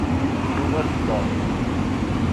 Yuɣal-d Tom.